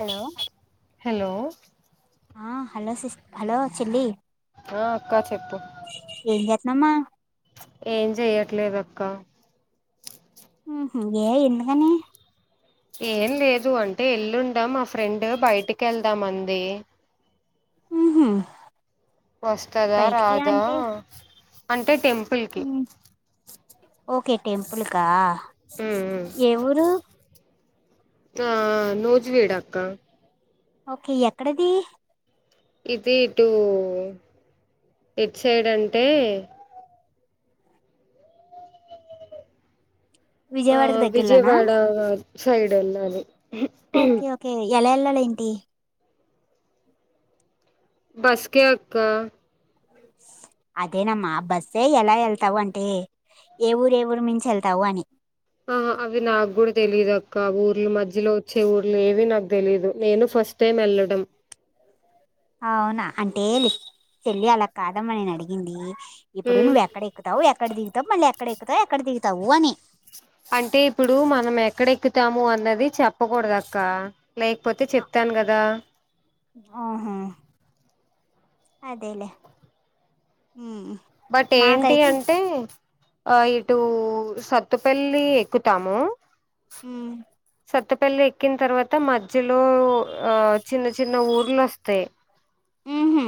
Hello hello ఆ hello sis hello చెల్లి ఆ అక్క చెప్పు నమ ఏం చెయ్యట్లేదు అక్క ఎ ఎందుకని ఏం లేదు అంటే ఎల్లుండ మా ఫ్రెండ్ బయటికి వెళ్దాం అంది వు హమ్ వస్తదా రాదా అంటే టెంపుల్కి ఓకే టెంపుల్కా ఏ ఊరు ఆ నూజివీడు అక్క ఓకే ఎక్కడది ఇది ఇటు ఎట్ సైడ్ అంటే ఆ విజయవాడకి దగ్గరలోనా విజయవాడ సైడ్ అన్నారు ఓకే ఓకే ఎల వెళ్ళాలి ఏంటి బస్ కే అక్క అదేనమ్మా బస్సే ఎలా వెళ్తావు అంటే ఏ ఊరు ఏ ఊరు మించెళ్తావు అని ఆ అవి నాకు కూడా తెలీదు అక్క ఊర్లు మధ్యలో వచ్చే ఊర్లు ఏవి నాకు తెలీదు నేను ఫస్ట్ టైమ్ వె లడం అవునా అంటే లే చెళ్లి అలా కాదమ్మ నేను అడిగింది ఇప్పుడు ఉమ్, నువ్వు ఎక్కడ ఎక్కుతావు ఎక్కడ దిగుతావు మళ్ళీ ఎక్కడ ఎక్కుతావు ఎక్కడ దిగుతావు అని అంటే ఇప్పుడు మనం ఎక్కడెక్కుతాము అన్నది చెప్పకూడదు అక్క లేకపోతే చెప్తాను కదా ఆహా అదేలే హ్మ్ బట్ ఏంటి అంటే ఆ ఇటు సత్తుపల్లి ఎక్కుతాము ఉమ్ స పల్లి ఎక్కిన తర్వాత మధ్యలో ఆ చిన్న చిన్న ఊర్లు వస్తాయి ఆహ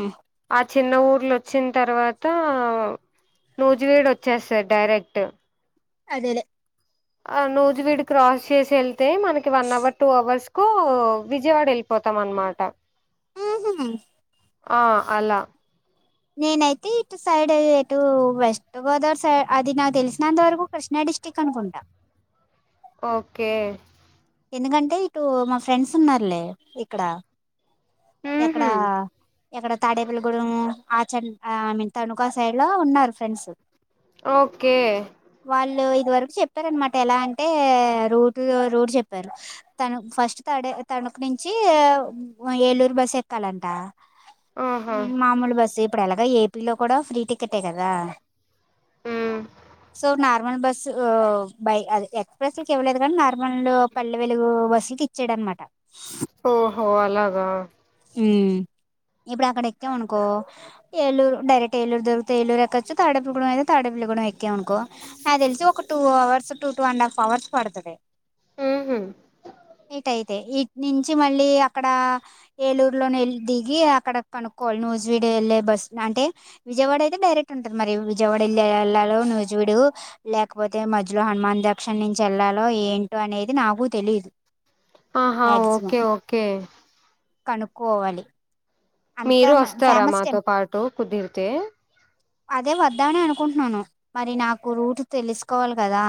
ఆ చిన్న ఊర్లు వచ్చిన తర్వాత ఆ నోజువేడు వచ్చేస్తది డైరెక్ట్ అదేలే ఆ నోజు వీడి క్రాస్ చేసి వెళ్తే మనకి వన్ అవర్ టూ అవర్స్ కు విజయవాడ వెళ్ళిపోతాం అన్నమాట హు హు ఆ అలా నేనైతే ఇటు సైడ్ ఇటు వెస్ట్ గోదావర్ సైడ్ అది నకు తెలిసినంత వరకు కృష్ణా అడి డిస్ట్రిక్ట్ అనుకుంట ఓకే ఎందుకంటే ఇటు మా ఫ్రెండ్స్ ఉన్నారులే ఇక్కడ ఎక్కడ ఊహు ఎక్కడ తాడేపల్లి గుండము ఆ ఐ మీన్ తనుకా సైడ్ ల ఉన్నారు ఫ్రెండ్స్ ఓకే ఇంతవరకు చెప్పార అనమాట ఎలా అంటే రోడ్ రోడ్ చెప్పారు తను ఫస్ట్ త తను అక్కడి నుంచి ఏలూరు బస్ ఎక్కలట ఆహా మాములు బస్సే ఇప్పుడు ఎలాగ ఏపీలో కూడా ఫ్రీ టికెట్ ఏ కదా మ్ సో న నార్మల్ బస్సు బై ఎక్స్ప్రెస్ లకి ఇవ్వలేదు కానీ నార్మల్ పల్లె వెలుగు బస్సుకి ఇచ్చాడ అనమాట ఓహో అలాగా హ్మ్ ఇప్పుడు అక్కడ ఎక్కాము అనుకో ఏలూరు డైరెక్ట్ ఏలరు దొరుకుతే ఏలూరు ఎక్కొచ్చ తాడపల్ గూడెం అయితే తాడపల్లి గూడెం ఎ క్యామ్ అనుకో నాకు తెలిసి ఒక two hours two two and half hours పడుతుంది ఊహు ఇటయితే ఇటు నుంచి మళ్ళీ అక్కడ ఏలూరులో దిగి అక్కడ కనుక్కోవాలి నోజీడి వెళ్లే బస్ అంటే విజయవాడ అయితే డైరెక్ట్ ఉ అ మరి విజయవాడ ఎలా వెళ్ళాలో ను జూడు వ లేకపోతే మధ్యలో హనుమాన్ దక్షిణ నుంచి వెళ్ళాల లో ఏంటో అనేది నాకు తెలీదు ఆహా ఓకే ఓకే కనుక్కోవాలి అంత మీరు వస్తారా ఫేమస్ మాతో టెంపుల్ పాటు కుదిరితే అదే వద్దామని అనుకుంటున్నాను మరి నాకు రూట్ తెలుసుకోవాలి కదా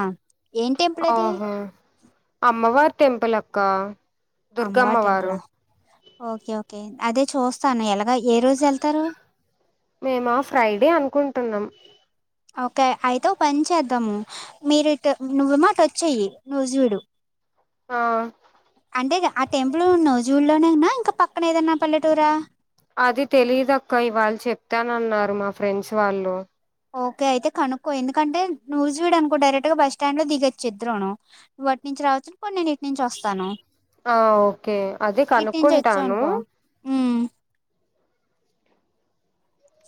ఏం టెంపుల్ అది ఆహ అమ్మవారి టెంపుల్ అక్క అమ్మవారి టెంపుల దుర్గమ్మవారు ఓకే ఓకే అదే చూస్తాను ఎలాగ ఏ రోజు వెళ్తారు మేమ ఫ్రైడే అనుకుంటున్నాం ఓకే అయితే ఓ పని చేద్దాము మీరు ఇటు నువ్వు ఏమో అటు వచ్చేయి నువ్వు చూడు ఆ అంటే ఆ టెంపుల్ ఉ నోవు జూల్లోనేనా ఇంకా పక్కన ఏదన్నా పల్లెటూరా అది తెలియదక్క ఇవాళ చెప్తానన్నారు మా ఫ్రెండ్స్ వాళ్ళు ఓకే అయితే కనుక్కో ఎందుకంటే నూజివీడు అనుకో డైరెక్ట్ గా బస్టాండ్ లో దిగొచ్చు ఇద్రను వాటిని నుంచి రావచ్చు పోన్నిను ఇటు నుంచి వస్తాను ఆ ఓకే అదే ఇట్ంచి కనుక్కుంటాను వచ్చనుకో ఉమ్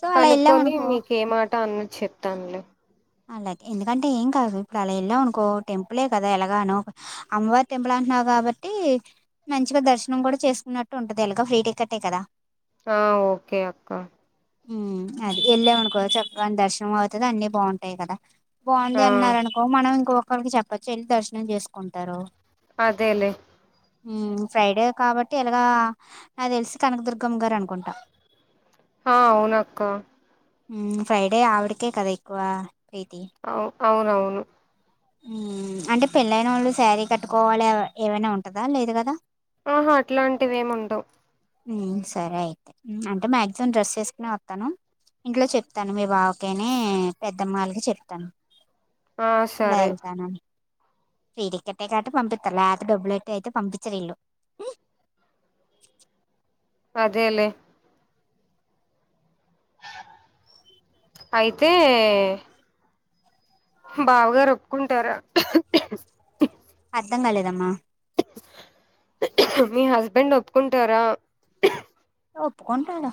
సో అలా వెళ్ళాం కనుక్కొని అనుకో మీక ఏ మాట అన్న చెప్తానులే అలాగే ఎందుకంటే ఏం కాదు ఇప్పుడు అలా వెళ్ళాం అనుకో టెంపులే కదా ఎలాగానో అమ్మవారి టెంపుల్ అంట న్నావు కాబట్టి మంచిగా దర్శనం కూడా చేసుకున్నట్టు ఉంటది ఎలాగ ఫ్రీ టికెటే కదా ఆ ఓకే అక్కా ఉ అది వెళ్ళామనుకో చక్కగా దర్శనం అవుతది అన్ని బాగుంటాయి కదా బాగుంది ఆ అన్నారు అనుకో మనం ఇంకొకరికి చెప్పచ్చు వెళ్ళి దర్శనం చేసుకుంటారు అదేలేే ఫ్రైడే కాబట్టి ఎలాగ నా తెలిసి కనకదుర్గం గారు అనుకుంటా హా అవునక్క ఫ్రైడే ఆవిడికే కదా ఎక్కువ ప్రీతి అవు అవునవును అంటే పెళ్ళైన వాళ్ళు శారీ కట్టుకోవాలి ఏవైనా ఉంటదా లేదు కదా ఆహా అట్లాంటివి ఏమి ఉండవు ఉమ్ సరే అయితే అంటే మ్యాక్సిమం డ్రెస్ వేసుకునే వస్తాను ఇంట్లో చెప్తాను మీ బావ అకేనే పెద్దమ్మలకి చెప్తాను ఆ ఇలా సరే వెళ్తానని ఫ్రీ టికెట్ కాబట్టే పంపితలే అది డబ్బులట్ అయితే పంపించడిలు అదేలేే అయితే బావగారు ఒప్పుకుంటారా అర్థం కాలేదమ్మా మీ హస్బెండ్ ఒప్పుకుంటారా ఒప్పుకోంటాడు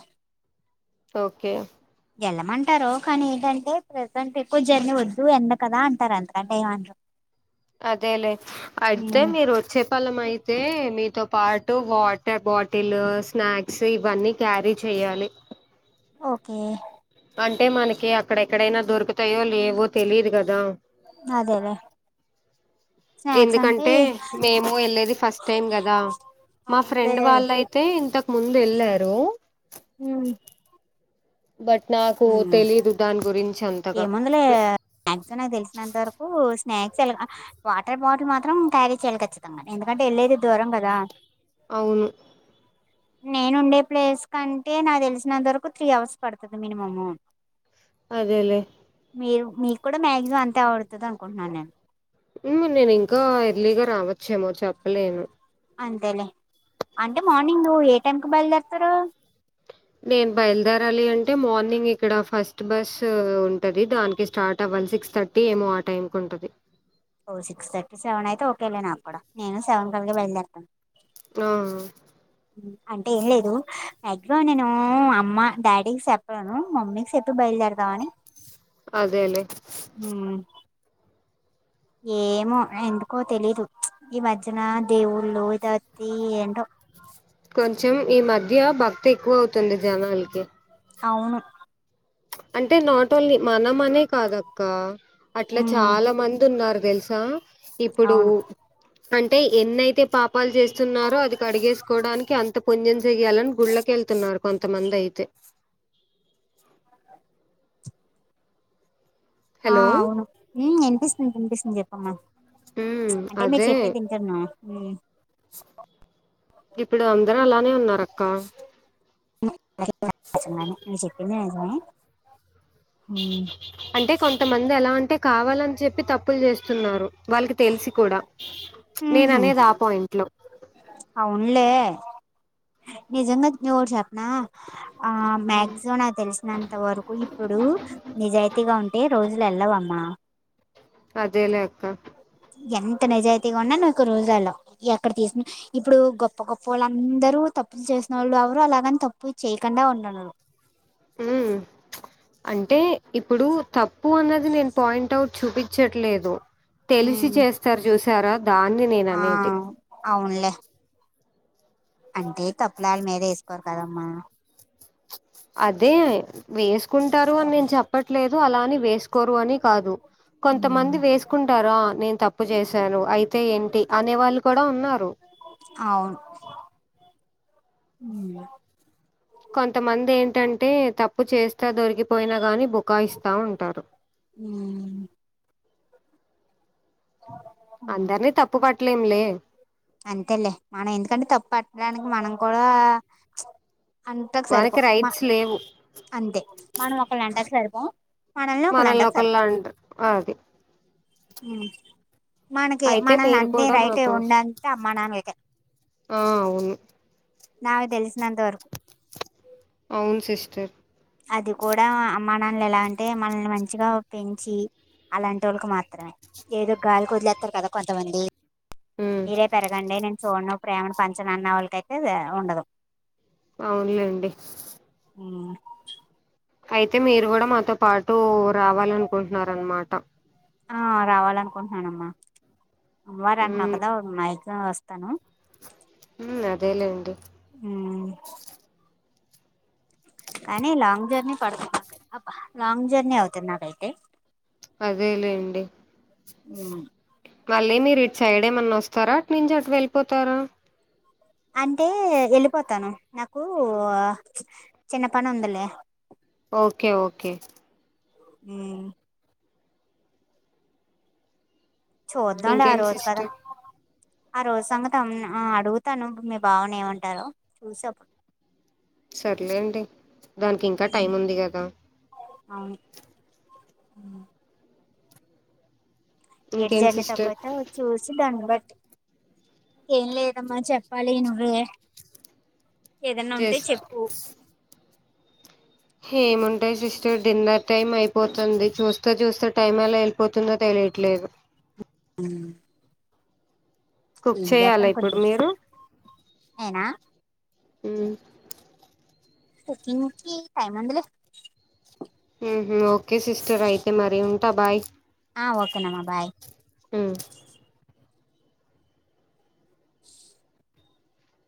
ఓకే వెళ్ళమంటారు కానీ ఏంటంటే ప్రసెంట్ ఎక్కువ జర్నీ వద్దు ఎండ కదా అంటారు అందుకంటే ఏమంటారు అదేలే అయితే మీరు వచ్చేపలం అయితే మీతో పాటు వాటర్ బాటిల్ స్నాక్స్ ఇవన్నీ క్యారీ చెయాలి ఓకే అంటే మనకి అక్కడెక్కడైనా దొరుకుతాయో లేవో తెలీదు కదా అదేలే స్నాక్స్ అంటే ఎందుకంటే మేము వెళ్ళలేది ఫస్ట్ టైం కదా మా అవునులే ఫ్రెండ్ వాళ్ళయితే ఇంతకు ముందు వెళ్ళారు ఉమ్ బట్ నాకు ఉమ్ తెలీదు దాని గురించి అంతగా మాక్సిమం నాకు తెలిసినంత వరకు స్నాక్స్ వాటర్ బాటిల్ మాత్రం క్యారీ చేయాలి ఖచ్చితంగానీ ఎందుకంటే వెళ్ళది దూరం కదా అవును నేను ఉండే ప్లేస్ కంటే నా తెలిసినంత వరకు త్రీ అవర్స్ పడుతుంది మినిమము అదేలేే మీరు మీకు కూడా మ్యాక్సీమం అంతే ఆ పడుతుంది అనుకుంటున్నాను నేను నేను ఇంకా ఎర్లీగా రావచ్చేమో చెప్పలేను అంతేలే అంటే మార్నింగ్ నువవు ఏ టైంకి బయలుదేరుతారు నేను బయలుదేరాలి అంటే మార్నింగ్ ఇక్కడ ఫస్ట్ బస్ ఉంటది దానికి స్టార్ట్ అవ్వ వన్ సిక్స్ థర్టీ ఏమో ఆ టైమ్ కు ఉంటది ఓ సిక్స్ థర్టీ సెవెన్ అయితే ఓకేలే నాకు కూడా నేను సెవెన్ కలిగ బయలుదేరతాను ఆ అంటే ఏం లేదు మాక్సిమం నేను అమ్మ డాడీకి సేప్పలేను మమ్మీకి సేప్పి బయ ఇళ్ళెడుదావని అదే లే ఏమో ఎందుకో తెలీదు ఈ మధ్యన దేవుళ్ళు ఇది అత్తి ఏంటో [inaudible] కొంచం ఈ మధ్య భక్తి ఎక్కువ అవుతుంది జనాలకి అవును అంటే నాట్ ఓన్లీ మనం అనే కాదక్క అట్లా ఉమ్ చాలా మంది ఉన్నారు తెలుసా ఇప్పుడు అవును అంటే ఎన్నైతే పాపాలు చేస్తున్నారో అది కడిగేసుకోవడానికి అంత పుణ్యం జేయ్యాలని గుళ్ళకెళ్ తున్నారు కొంతమంది అయితే ఆ హలో అవును వినిపిస్తుంది వినిపిస్తుంది చెప్పమ్మా ఉమ్ అంటే మీరు అదే చెప్పే వింటున్నా ఇప్పుడు అందరూ అలానే ఉన్నారు అక్క నువ్వు చెప్పింది నిజమే ఉమ్ అంటే కొంతమంది ఎలా అంటే కావాలని చెప్పి తప్పులు చేస్తున్నారు వాళ్ళకి తెలిసి కూడా నేను అనేది ఆ పాయింట్ లో అవున్లే నిజంగా నీకొకటి చెప్నా ఆ మ్యాగ్జిమమ్ నాకు తెలిసినంత వరకు ఇప్పుడు నిజాయితీగా ఉంటే రోజులు ఎల్లవమ్మా అదేలే అక్క ఎంత నిజాయితీగా ఉన్నా నువ్వు ఒక రోజాలో అక్కడ తీసుకు ఇప్పుడు గొప్ప గొప్ప వాళ్ళందరూ తప్పు చేసిన వాళ్ళు ఎవరు అలాగని తప్పు చేయకుండా ఉండుండరు ఉమ్ అంటే ఇప్పుడు తప్పు అన్నది నేను పాయింట్ అవుట్ చూపించట్లేదు తెలిసి ఉమ్ చేస్తారు చూసారా దాన్ని ఆ నేననేది అవునులే అంటే తప్పులాల మీదే వేసుకోరు కదమ్మా అదే వేసుకుంటారు అని నేను చెప్పట్లేదు అలాని వేసు కోరు అని కాదు ఉమ్, కొంతమంది వేసుకుంటారా నేను తప్పు చేసాను అయి తే ఏంటి అనే వాళ్ళు కూడా ఉన్నారు అవును ఉమ్ కొంతమంది ఏంటంటే తప్పు చేస్తా దొరికిపోయినా గాని బుకాయిస్తా ఉంటారు ఉమ్, అందరినీ తప్పు పట్టలేంలే అంతేలే మనం ఎందుకంటే తప్పు పట్టడానికి మనం కూడా అంటకు మనకి సరిపోం మా రైట్స్ లేవు అంతే మనం ఒకళ అంటకి సరిపోం మనల్ని మన ఒకళ్ళు అంటకు సరిపోం లోకల్లాంట అది మనకి అయితే మనల్ని మీరు అంటే కూడా రైట్ మాతో ఉండాలి ఆ అవును నాకు దెలిసినంత వరకు అవును సిస్టర్ మా నాన్న ఎలా అంటే మనల్ని మంచిగా పెంచి అలాంటి వాళ్ళకి మాత్రమే ఏదో గాలికి వదిలేస్తారు కదా కొంతమంది ఉమ్ మీరే పెరగండి నేన్ చూడను ప్రేమను పంచను అన్న వాళ్ళకైతే ఉండదు అవునులేండి అయితే మీరు కూడా మాతో పాటు రావాలనుకుంటున్నారు అన్నమాట ఆ రావాలనుకుంటున్నానమ్మా అమ్మోర అంటున్నావు ఉమ్ కదా నాయి ఆ వస్తాను ఉమ్ అదేలేండి ఉమ్ కానీ లాంగ్ జర్నీ పడుతుబ్ లాంగ్ జర్నీ అవుతుంది నాకయితే అదే లేండి ఉ మళ్ళీ మీరు ఇటు సైడేమన్నా వస్తారా అట్ నుంచి అటు వెళ్ళిపోతారా అంటే వెళ్ళిపోతాను నాకు చిన్న పని ఉందలే ఓకే ఓకే ఉమ్ చూద్దాంలే ఆ ఇంకేం రోజు కదా సిస్టర్ ఆ రోజు సంగత అడుగుతాను మీ బావుని ఏమంటారో చూసాప్పుడు సర్లేండి దానికి ఇంకా టైం ఉంది కదా అవును ఉమ్. ఏటు ఇంకేం జర్నీ తక్కువ సిస్టర్ అయితే చూసి దాన్ని బట్టి ఏం లేదమ్మా చెప్పాలి నువ్వే ఏదన్నా ఉంటే జస్ట్ చెప్పు ఏముంటాయి సిస్టర్ డిన్నర్ టైమ్ అయిపోతుంది చూస్తే చూస్తే టైం ఎలా వెళ్ళిపోతుందో తెలి ట్లేదు ఉమ్ కుక్ ఏం చేయాలా చేస్తం ఇప్పుడు కొంచెం మీరు అయనా ఉమ్ [unintelligible] టైమ్ ఉండలే ఉ హ్మ్ ఓకే సిస్టర్ అయితే మరి ఉంటా బాయ్ ఆ ఓకేనమ్మా బాయ్ ఉమ్.